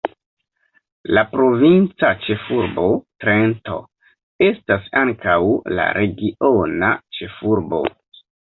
La provinca ĉefurbo Trento estas ankaŭ la regiona ĉefurbo.